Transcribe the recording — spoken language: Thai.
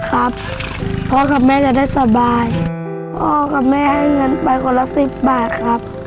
พ่อกับแม่จะได้สบายพ่อกับแม่ให้เงินไปคนละสิบบาทครับ